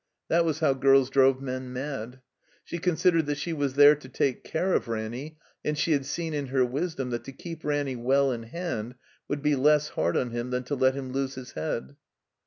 That was how girls drove men mad. She considered that she was there to take care of Raimy, and she had seen, in her wisdom, that to keep Raimy well in hand would be less hard on him than to let him lose his head.